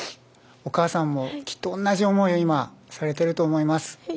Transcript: お母さんもきっと同じ思いされていると思います。